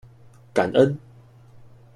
感恩！